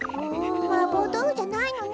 マーボーどうふじゃないのね。